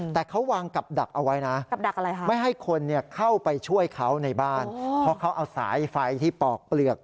แต่เขาวางกับดักเอาไว้นะไม่ให้คนเข้าไปช่วยเขาในบ้านเพราะเขาเอาสายไฟที่ปอกเปลือก